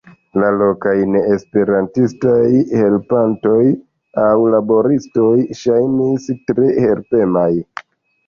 La lokaj neesperantistaj helpantoj aŭ laboristoj ŝajnis tre helpemaj.